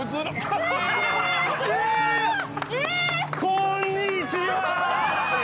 こんにちは！